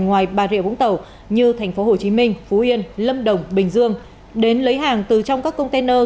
ngoài bà rịa vũng tàu như tp hcm phú yên lâm đồng bình dương đến lấy hàng từ trong các container